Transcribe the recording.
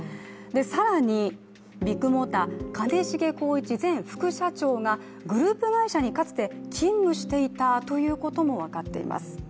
更に、ビッグモーター兼重宏一前副社長がグループ会社にかつて勤務していたということも分かっています。